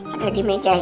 ada di meja hias sih